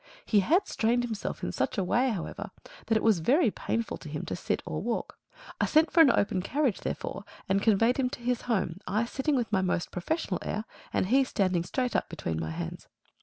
He had strained himself in such a way, however, that it was very painful to him to sit or to walk. I sent for an open carriage, therefore, and conveyed him to his home, I sitting with my most professional air, and he standing straight up between my hands.